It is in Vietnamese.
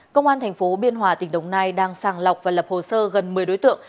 công an thành phố biên hòa tỉnh đồng nai đang sàng lọc và lập hồ sơ gần một mươi đối tượng